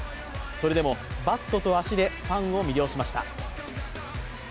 それでもバットと足でファンを魅了しました。